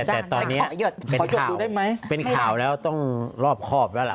แต่ตอนนี้เป็นข่าวเป็นข่าวแล้วต้องรอบคอบแล้วล่ะ